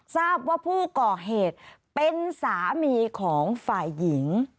ทราบว่าผู้ก่อเหตุเป็นสามีของฝ่ายหญิง